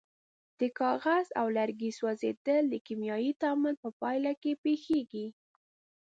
د کاغذ او لرګي سوځیدل د کیمیاوي تعامل په پایله کې پیښیږي.